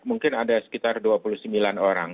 mungkin ada sekitar dua puluh sembilan orang